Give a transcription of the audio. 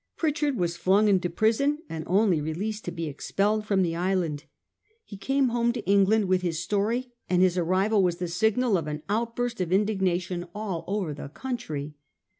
Pritchard was flung into prison, and only released to be expelled from the island. He came home to England with his story ; and his arrival was the signal for an outburst of indignation all over the country.